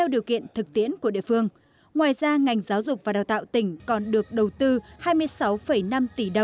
để về sự lễ khai giảng với thầy cô giáo